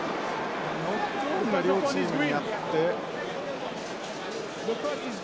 ノックオンが両チームにあって。